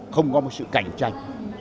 không có một sự cạnh tranh